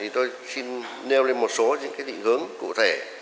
tôi xin nêu lên một số những định hướng cụ thể